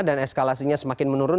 dan eskalasinya semakin menurun